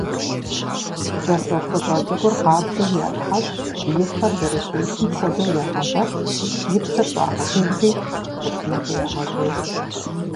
Кӏэртӏофыщӏэ цӏыкӏур къабзэу ятхьэщӏ, и фэр зэрытелъым хуэдэу ягъэвэпхъ, и псыр щӏагъэжыжри тхъуцӏынэкӏэ ягъэжьэж.